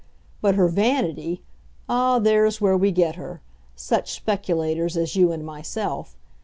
But her vanity ah, there's where we get her, such speculators as you and myself.